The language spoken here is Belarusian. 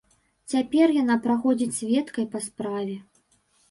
Цяпер яна праходзіць сведкай па справе.